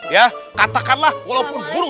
ya katakanlah walaupun buruk sekalipun